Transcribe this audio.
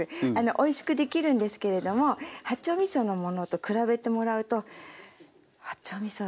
おいしくできるんですけれども八丁みそのものと比べてもらうと八丁みそ